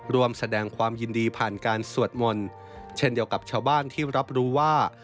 รวมแสดงความยินดีผ่านการสวดมนต์เช่นเดียวกับชาวบ้านที่รับรู้ว่า